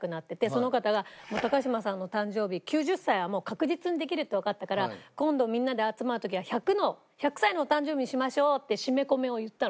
その方が「高嶋さんの誕生日９０歳はもう確実にできるってわかったから今度みんなで集まる時は１００の１００歳のお誕生日にしましょう」って締めコメを言ったの。